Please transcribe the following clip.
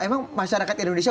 emang masyarakat indonesia